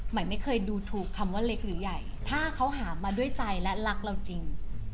ไม่เคยดูถูกคำว่าเล็กหรือใหญ่ถ้าเขาหามาด้วยใจและรักเราจริง